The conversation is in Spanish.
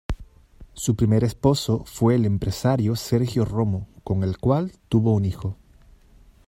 Su primer esposo fue el empresario Sergio Romo, con el cual tuvo un hijo.